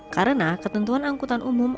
karena ketentuan angkutan umum